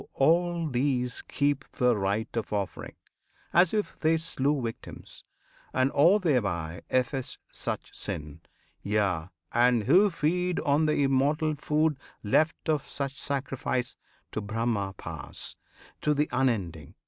all these keep The rite of offering, as if they slew Victims; and all thereby efface much sin. Yea! and who feed on the immortal food Left of such sacrifice, to Brahma pass, To The Unending.